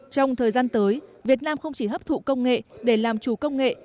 trong thời gian tới việt nam không chỉ hấp thụ công nghệ để làm chủ công nghệ